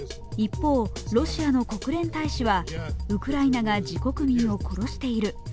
一方、ロシアの国連大使はウクライナが自国民を殺している。